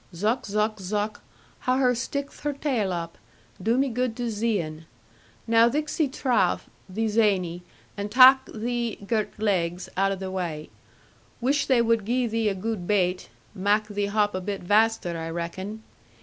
Zuck, zuck, zuck! How her stickth her tail up; do me good to zee un! Now thiccy trough, thee zany, and tak thee girt legs out o' the wai. Wish they wud gie thee a good baite, mak thee hop a bit vaster, I reckon.